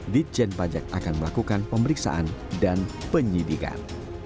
ditjen pajak akan melakukan pemeriksaan dan penyidikan